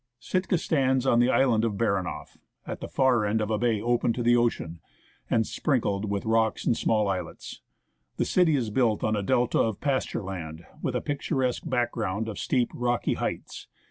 Sitka stands on the island of Baranoff, at the far end of a bay open to the ocean, and sprinkled with rocks and small islets. SITKA, FROM THE SEA. The city is built on a delta of pasture land, with a picturesque background of steep rocky heights.